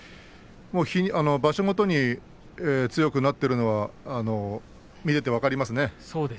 場所ごとに強くなっているのは見ていて分かります。